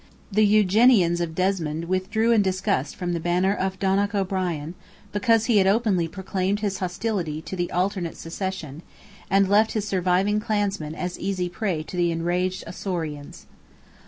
The Eugenians of Desmond withdrew in disgust from the banner of Donogh O'Brien, because he had openly proclaimed his hostility to the alternate succession, and left his surviving clansmen an easy prey to the enraged Ossorians.